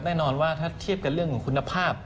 แน่นอนว่าถ้าเทียบกับเรื่องของคุณภาพ